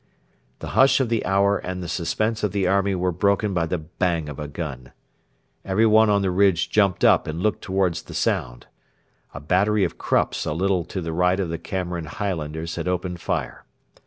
The hush of the hour and the suspense of the army were broken by the bang of a gun. Everyone on the ridge jumped up and looked towards the sound. A battery of Krupps a little to the right of the Cameron Highlanders had opened fire.